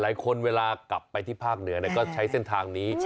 เวลากลับไปที่ภาคเหนือก็ใช้เส้นทางนี้